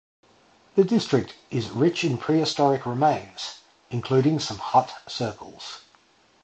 The district is rich in prehistoric remains, including some hut circles.